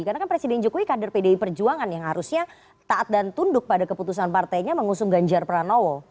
karena kan presiden jokowi kader pdi perjuangan yang harusnya taat dan tunduk pada keputusan partainya mengusung ganjar prabowo